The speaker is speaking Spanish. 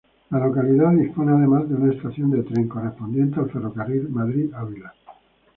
La localidad dispone, además, de una estación de tren, correspondiente al ferrocarril Madrid-Ávila.